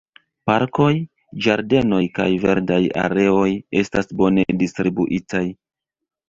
Parkoj, ĝardenoj kaj verdaj areoj estas bone distribuitaj.